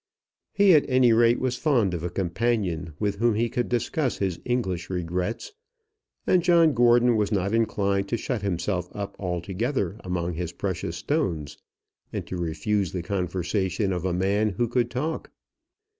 He at any rate was fond of a companion with whom he could discuss his English regrets, and John Gordon was not inclined to shut himself up altogether among his precious stones, and to refuse the conversation of a man who could talk.